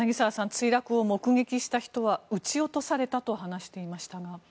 墜落を目撃した人は撃ち落とされたと話していましたが。